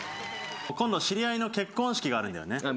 今度、知り合いの結婚式があるんだよね。